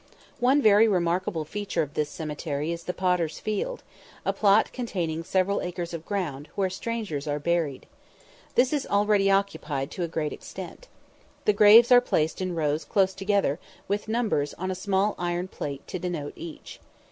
One very remarkable feature of this cemetery is the "Potter's Field," a plot containing several acres of ground, where strangers are buried. This is already occupied to a great extent. The graves are placed in rows close together, with numbers on a small iron plate to denote each.